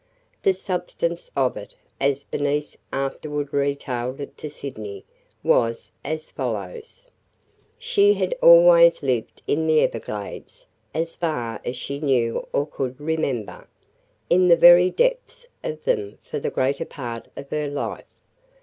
The substance of it, as Bernice afterward retailed it to Sydney, was as follows: She had always lived in the Everglades, as far as she knew or could remember – in the very depths of them for the greater part of her life.